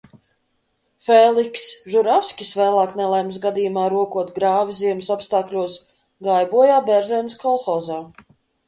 Fēlikss Žuravskis vēlāk nelaimes gadījumā, rokot grāvi ziemas apstākļos, gāja bojā Bērzaines kolhozā.